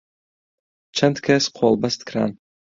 چەند کەس قۆڵبەست کران